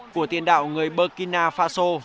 của tiền đạo người burkina faso